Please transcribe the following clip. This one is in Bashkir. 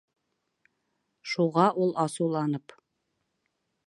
Шуға ул, асыуланып: